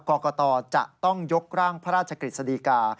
กรกตจะต้องยกร่างพระราชกฤษฎีกา